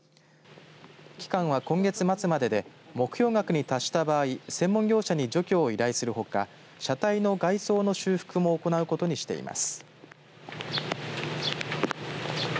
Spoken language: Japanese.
期間は今月末までで目標額に達した場合専門業者に除去を依頼するほか車体の外装の修復も行うことにしています。